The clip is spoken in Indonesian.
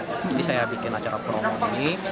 jadi saya bikin acara promo ini